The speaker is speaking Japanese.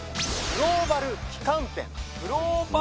グローバル旗艦店？